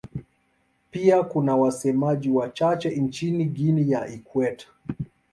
Pia kuna wasemaji wachache nchini Guinea ya Ikweta.